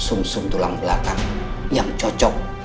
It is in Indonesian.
sum sum tulang belakang yang cocok